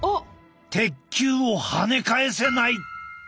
鉄球をはね返せない。